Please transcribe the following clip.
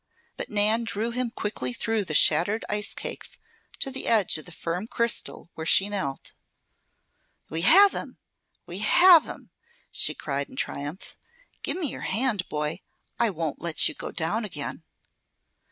But Nan drew him quickly through the shattered ice cakes to the edge of the firm crystal where she knelt. "We have him! We have him!" she cried, in triumph. "Give me your hand, boy! I won't let you go down again."